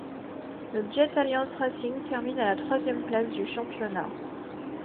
Le Jetalliance Racing termine à la troisième place du championnat.